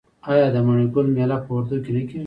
آیا د مڼې ګل میله په وردګو کې نه کیږي؟